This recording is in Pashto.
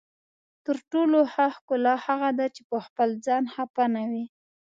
تر ټولو ښه ښکلا هغه ده چې پخپل ځان خفه نه وي.